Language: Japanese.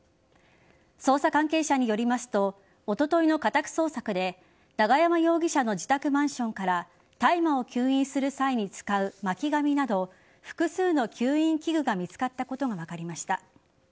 捜査関係者によりますとおとといの家宅捜索で永山容疑者の自宅マンションから大麻を吸引する際に使う巻紙など複数の吸引器具が見つかったことが分かりました。